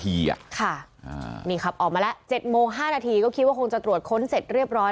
นี่ครับออกมาแล้ว๗โมง๕นาทีก็คิดว่าคงจะตรวจค้นเสร็จเรียบร้อย